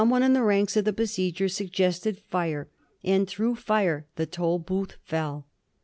oue in the ranks of the besiegers suggested fire, and through fire the Tolbooth fell.